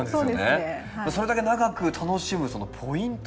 それだけ長く楽しむポイント